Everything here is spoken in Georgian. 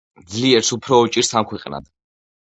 ძლიერს უფრო უჭირს ამქვეყნად.